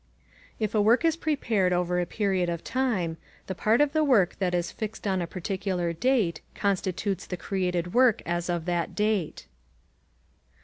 If a work is prepared over a period of time, the part of the work that is fixed on a particular date constitutes the created work as of that date.